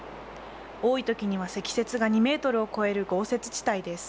多いときには積雪が２メートルを超える豪雪地帯です。